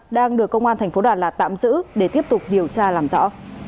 đang được công an thành phố đà lạt tạm giữ để tiếp tục điều tra làm rõ